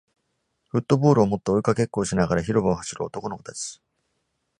フットボールを持って追いかけっこをしながら広場を走る男の子たち。